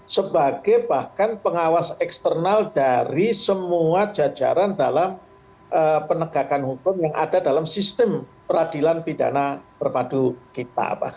sebagai bahkan pengawas eksternal dari semua jajaran dalam penegakan hukum yang ada dalam sistem peradilan pidana terpadu kita